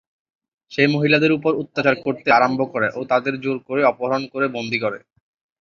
সে মহিলাদের ওপর অত্যাচার করতে আরম্ভ করে ও তাদের জোর করে অপহরণ করে বন্দী করে।